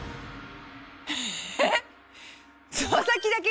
えっ？